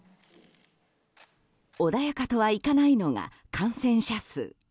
穏やかとはいかないのが感染者数。